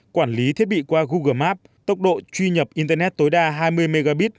quản lý thiết bị qua google map tốc độ truy nhập internet tối đa hai mươi mb